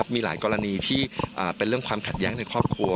มีหลายกรณีที่เป็นเรื่องความขัดแย้งในครอบครัว